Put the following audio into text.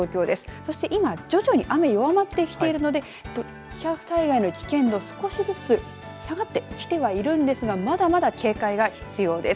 そして今、徐々に雨が弱まってきているので土砂災害の危険度、少しずつ下がってきてはいるんですがまだまだ警戒が必要です。